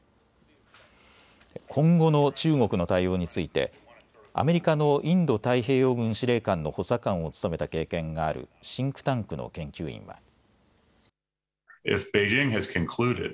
今後の中国の対応についてアメリカのインド太平洋軍の司令官の補佐官を務めた経験があるシンクタンクの研究員は。